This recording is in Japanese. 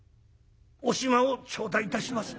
「お暇を頂戴いたします」。